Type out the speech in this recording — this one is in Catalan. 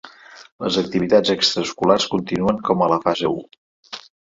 Les activitats extraescolars continuen com a la fase u.